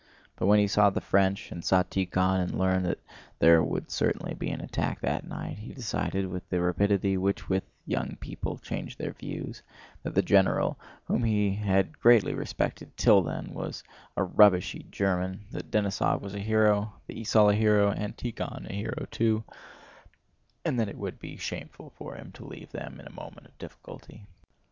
But when he saw the French and saw Tíkhon and learned that there would certainly be an attack that night, he decided, with the rapidity with which young people change their views, that the general, whom he had greatly respected till then, was a rubbishy German, that Denísov was a hero, the esaul a hero, and Tíkhon a hero too, and that it would be shameful for him to leave them at a moment of difficulty.